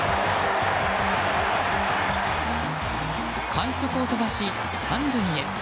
快足を飛ばし、３塁へ。